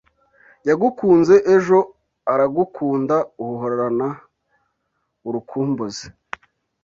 Yagukunze ejo aragukunda uhoranaurukumbuzi